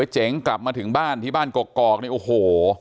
เจ๋งกลับมาถึงบ้านที่บ้านกอกเนี่ยโอ้โห